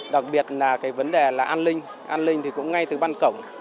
đặc biệt là vấn đề là an linh an linh thì cũng ngay từ ban cổng